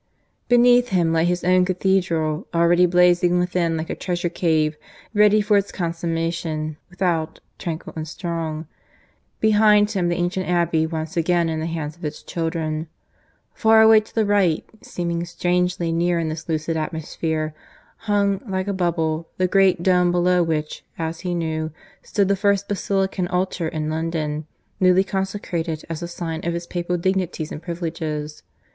Beneath him lay his own cathedral, already blazing within like a treasure cave, ready for its consummation, without, tranquil and strong; behind him the ancient Abbey once again in the hands of its children; far away to the right, seeming strangely near in this lucid atmosphere, hung, like a bubble, the great dome below which, as he knew, stood the first basilican altar in London, newly consecrated as a sign of its papal dignities and privileges.